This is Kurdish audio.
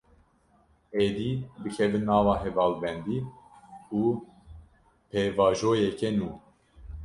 Êdî, bikevin nava hevalbendî û pêvajoyeke nû